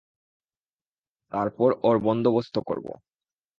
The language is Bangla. তারপর ওর বন্দোবস্ত করবো।